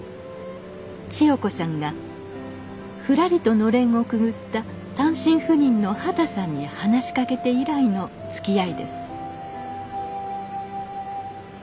千代子さんがふらりとのれんをくぐった単身赴任の畑さんに話しかけて以来のつきあいです